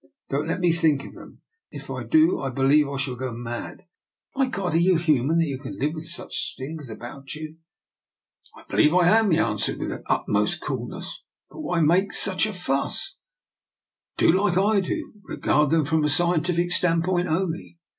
Don't let me think of them. If I do, I believe I shall go mad. My God! are you human, that you can live with such things about you? " DR. NIKOLA'S EXPERIMENT. 175 " I believe I am/' he answered with the utmost coolness. " But why make such a fuss? Do like I do, and regard them from a scientific standpoint only.